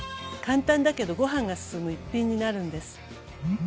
簡単だけどご飯が進む１品になるんです。